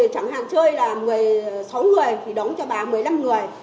chẳng hạn chơi là một mươi sáu người thì đóng cho bà một mươi năm người